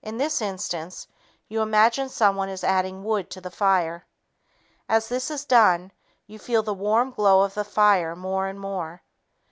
In this instance, you imagine someone is adding wood to the fire. As this is done, you feel the warm glow of the fire more and more.